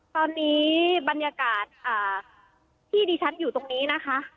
ตอนนี้บรรยากาศที่ดิฉันอยู่ตรงนี้นะคะ